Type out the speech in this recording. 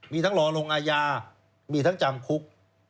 มีทั้งรอลงอาญามีทั้งจำคุก